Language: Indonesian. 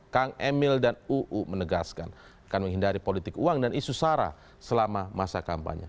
kang emil dan uu menegaskan akan menghindari politik uang dan isu sara selama masa kampanye